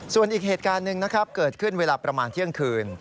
ส่วนอีกเหตุการณ์หนึ่งนะครับเกิดขึ้นเวลาประมาณเที่ยงคืน